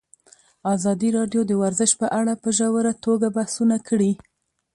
ازادي راډیو د ورزش په اړه په ژوره توګه بحثونه کړي.